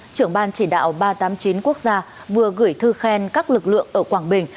trưởng ban chỉ đạo ba trăm tám mươi chín quốc gia vừa gửi thư khen các lực lượng ở quảng bình